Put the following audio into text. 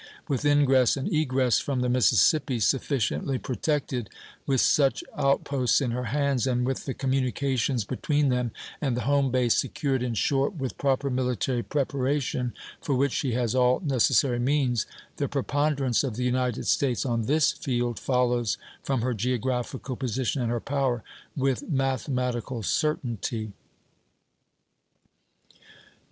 With ingress and egress from the Mississippi sufficiently protected, with such outposts in her hands, and with the communications between them and the home base secured, in short, with proper military preparation, for which she has all necessary means, the preponderance of the United States on this field follows, from her geographical position and her power, with mathematical certainty.